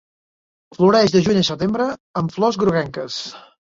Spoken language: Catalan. Floreix de juny a setembre amb flors groguenques.